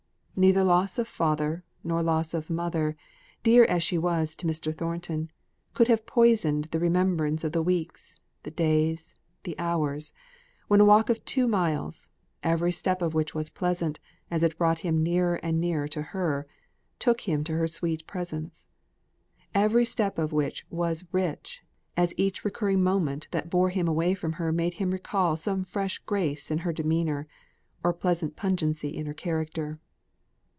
Neither loss of father, nor loss of mother, dear as she was to Mr. Thornton, could have poisoned the remembrance of the weeks, the days, the hours, when a walk of two miles, every step of which was pleasant, as it brought him nearer and nearer to her, took him to her sweet presence every step of which was rich, as each recurring moment that bore him away from her made him recall some fresh grace in her demeanour, or pleasant pungency in her character.